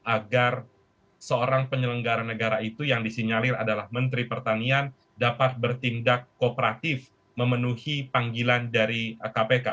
agar seorang penyelenggara negara itu yang disinyalir adalah menteri pertanian dapat bertindak kooperatif memenuhi panggilan dari kpk